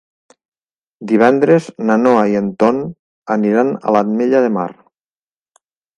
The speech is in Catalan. Divendres na Noa i en Ton aniran a l'Ametlla de Mar.